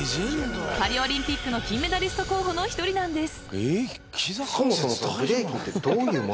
パリオリンピックの金メダリスト候補の一人なんです。